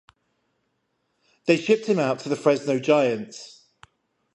They shipped him out to the Fresno Giants.